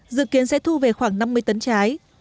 dự kiến sẽ thu về khoảng năm mươi tấn trái